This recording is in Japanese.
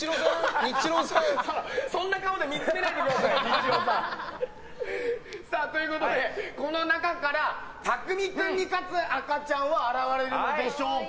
そんな顔で見つめないでください。ということで、この中からたくみ君に勝つ赤ちゃんは現れるんでしょうか。